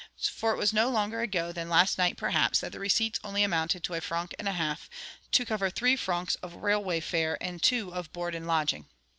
For it was no longer ago than last night, perhaps, that the receipts only amounted to a franc and a half, to cover three francs of railway fare and two of board and lodging.